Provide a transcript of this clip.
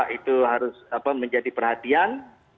itu harus menjadi perhatian